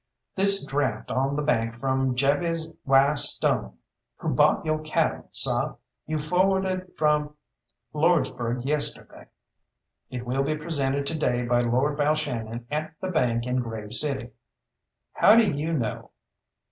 "This draft on the bank from Jabez Y. Stone, who bought yo' cattle, seh, you forwarded from Lordsburgh yesterday. It will be presented to day by Lord Balshannon at the bank in Grave City." "How do you know?"